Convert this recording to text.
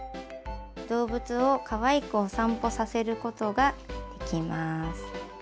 動物をかわいくお散歩させることができます。